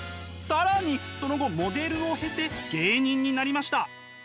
更にその後モデルを経て芸人になりました。